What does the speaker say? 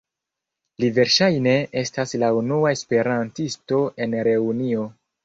Li verŝajne estas la unua esperantisto en Reunio.